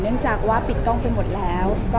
เนื่องจากว่าปิดกล้องไปหมดแล้ว